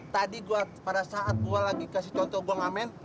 tadi gue pada saat gue lagi kasih contoh gue ngamen